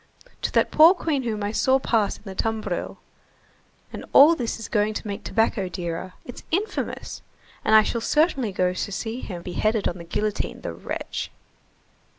to that poor queen whom I saw pass in the tumbril! And all this is going to make tobacco dearer. It's infamous! And I shall certainly go to see him beheaded on the guillotine, the wretch!"